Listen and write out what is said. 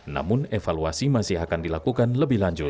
namun evaluasi masih akan dilakukan lebih lanjut